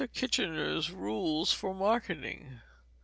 Kitchiner's Rules for Marketing.